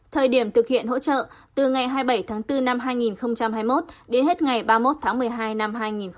thời điểm thực hiện hỗ trợ từ ngày hai mươi bảy tháng bốn năm hai nghìn hai mươi một đến hết ngày ba mươi một tháng một mươi hai năm hai nghìn hai mươi